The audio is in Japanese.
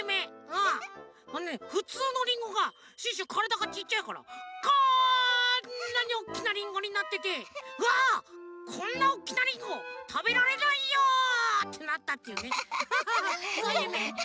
あのねふつうのリンゴがシュッシュからだがちっちゃいからこんなにおっきなリンゴになってて「うわっこんなおっきなリンゴたべられないよ！」ってなったっていうねそういうゆめ。